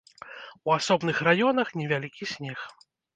У асобных раёнах невялікі снег.